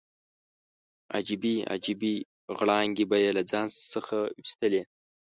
عجیبې عجیبې غړانګې به یې له ځان څخه ویستلې.